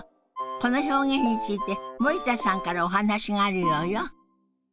この表現について森田さんからお話があるようよ。